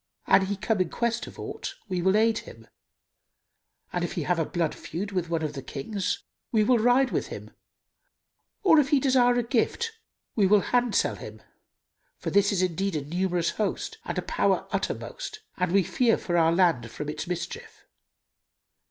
An he came in quest of aught, we will aid him, and if he have a blood feud with one of the Kings, we will ride with him; or, if he desire a gift, we will handsel him; for this is indeed a numerous host and a power uttermost, and we fear for our land from its mischief."